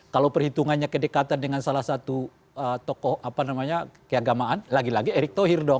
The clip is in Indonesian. kalau perhitungannya kedekatan dengan salah satu tokoh apa namanya keagamaan lagi lagi erick thohir dong